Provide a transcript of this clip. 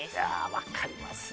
分かりますね。